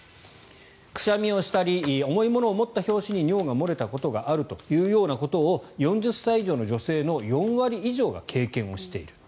くしゃみをしたり重いものを持った拍子に尿が漏れたことがあるというようなことを４０歳以上の女性の４割以上が経験をしている。